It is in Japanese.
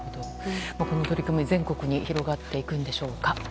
この取り組み、全国に広がっていくんでしょうか。